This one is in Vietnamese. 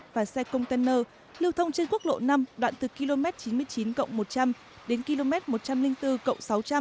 và xe container lưu thông trên quốc lộ năm đoạn từ km chín mươi chín cộng một trăm linh đến km một trăm linh bốn cộng sáu trăm linh